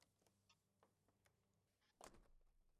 Nitashinda kwako